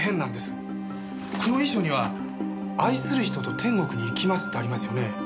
この遺書には「愛する人と天国に行きます」ってありますよね。